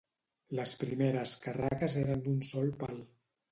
Les primeres carraques eren d'un sol pal.